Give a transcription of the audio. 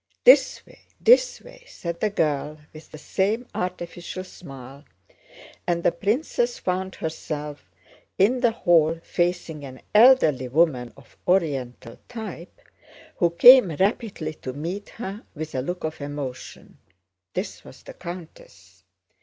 "This way, this way!" said the girl, with the same artificial smile, and the princess found herself in the hall facing an elderly woman of Oriental type, who came rapidly to meet her with a look of emotion. This was the countess.